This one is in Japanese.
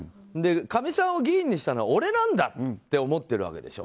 かみさんを議員にしたのは俺なんだって思ってるわけでしょ。